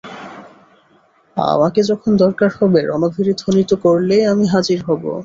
আমাকে যখন দরকার হবে রণভেরী ধ্বনিত করলেই আমি হাজির হব।